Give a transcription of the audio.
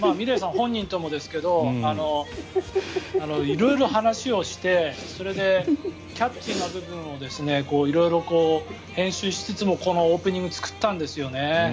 本人ともですけど色々話をしてそれでキャッチーな部分を色々編集しつつもこのオープニングを作ったんですよね。